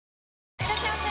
いらっしゃいませ！